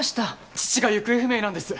父が行方不明なんです。